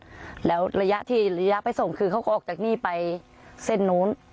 แล้วระยะที่ระยะไปส่งคือเขาก็ออกจากนี่ไปเส้นนู้น